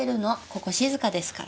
ここ静かですから。